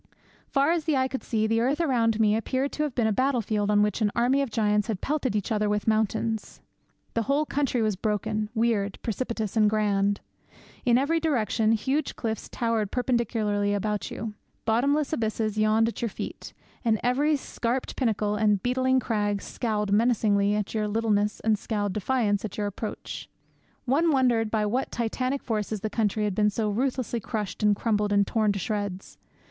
Far as the eye could see, the earth around me appeared to have been a battle field on which an army of giants had pelted each other with mountains. The whole country was broken, weird, precipitous, and grand. In every direction huge cliffs towered perpendicularly about you; bottomless abysses yawned at your feet; and every scarped pinnacle and beetling crag scowled menacingly at your littleness and scowled defiance at your approach. One wondered by what titanic forces the country had been so ruthlessly crushed and crumbled and torn to shreds.